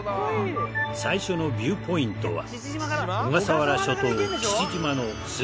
最初のビューポイントは小笠原諸島。